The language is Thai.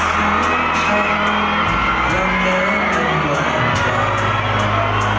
สันติวะสุดท้ายและเงินกันว่านเธอ